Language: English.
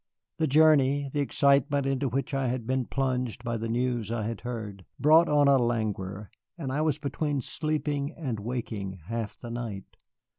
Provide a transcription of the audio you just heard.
The journey, the excitement into which I had been plunged by the news I had heard, brought on a languor, and I was between sleeping and waking half the night.